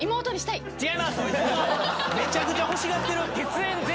めっちゃくちゃ欲しがってる！